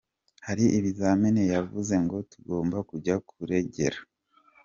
Hari ibizamini yavuze ngo tugomba kujya kuregera.